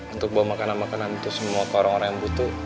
untuk bawa makanan makanan untuk semua ke orang orang yang butuh